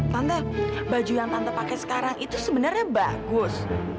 tante baju yang tante pakai sekarang itu sebenarnya bagus